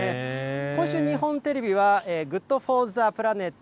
今週、日本テレビはＧｏｏｄＦｏｒｔｈｅＰｌａｎｅｔ